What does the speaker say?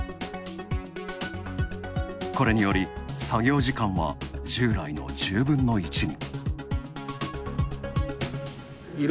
これにより、作業時間は従来の１０分の１に。